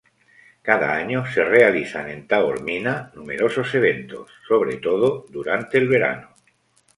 Cada año se realizan en Taormina numerosos eventos, sobre todo durante el verano.